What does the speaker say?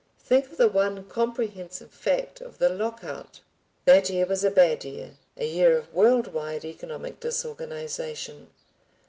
Think of the one comprehensive fact of the lock out! That year was a bad year, a year of world wide economic disorganization.